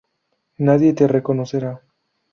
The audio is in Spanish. nadie te reconocerá